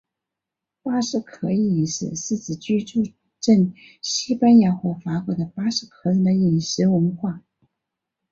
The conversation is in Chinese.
巴斯克饮食是指居住证西班牙和法国的巴斯克人的饮食文化。